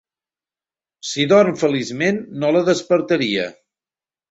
Si dorm feliçment, no la despertaria.